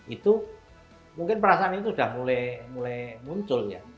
itu mungkin perasaan itu sudah mulai muncul ya